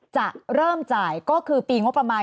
จะเริ่มจ่ายก็คือปีงบประมาณ